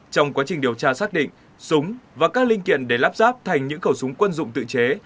trong quá trình điều tra xác định súng và các linh kiện để lắp ráp thành những khẩu súng quân dụng tự chế